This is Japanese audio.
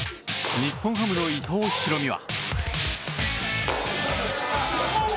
日本ハムの伊藤大海は。